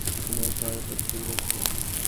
তিনি এই শহরের প্রতি দুর্বল ছিলেন।